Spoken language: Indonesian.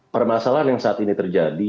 permasalahan yang saat ini terjadi